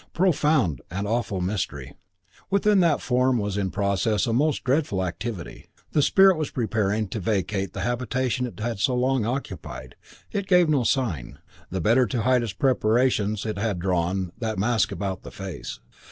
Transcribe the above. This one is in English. Profound and awful mystery. Within that form was in process a most dreadful activity. The spirit was preparing to vacate the habitation it had so long occupied. It gave no sign. The better to hide its preparations it had drawn that mask about the face.